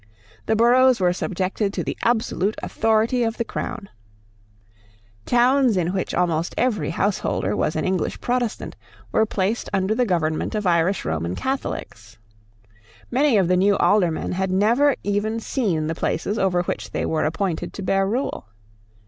The boroughs were subjected to the absolute authority of the Crown. Towns in which almost every householder was an English Protestant were placed under the government of Irish Roman Catholics. Many of the new Aldermen had never even seen the places over which they were appointed to bear rule.